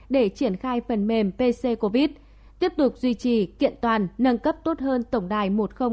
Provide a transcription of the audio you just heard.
để triển khai phần mềm pc covid tiếp tục duy trì kiện toàn nâng cấp tốt hơn tổng đài một nghìn hai mươi hai